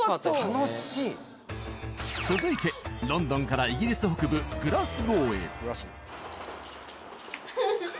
続いてロンドンからイギリス北部グラスゴーへフフフ。